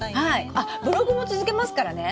あっブログも続けますからね！